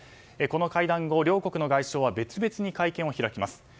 この会談後、両国の外相は別々に会見を開きます。